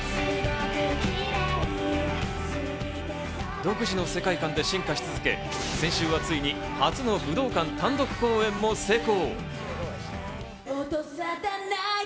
独自の世界観で進化し続け、先週はついに初の武道館単独公演も成功。